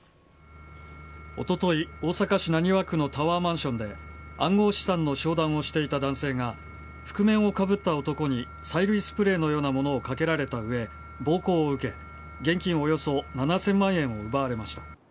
おととい、大阪市浪速区のタワーマンションで暗号資産の商談をしていた男性が覆面をかぶった男に催涙スプレーのようなものをかけられた上暴行を受け現金およそ７０００万円を奪われました。